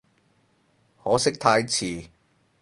可惜太遲